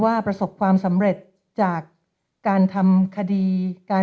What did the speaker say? คือการพยายามสอบถามและวิเคราะห์ว่า